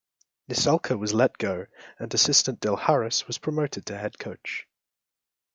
Nissalke was let go, and assistant Del Harris was promoted to head coach.